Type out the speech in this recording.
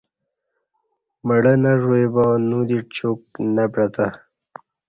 مڑہ نہ ژوی با نو دی چُک نہ پعتہ